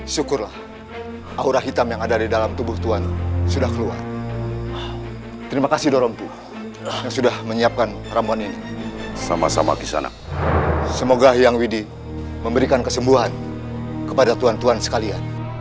sampai jumpa di video selanjutnya